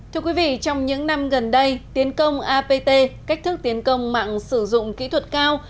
thưa quý vị trong những năm gần đây tiến công apt cách thức tiến công mạng sử dụng kỹ thuật cao